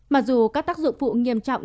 mặc dù các tác dụng vụ nghiêm trọng